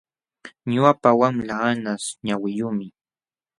Ñuqapa wamlaa anqaśh ñawiyuqmi.